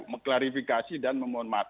diklarifikasi dan memohon maaf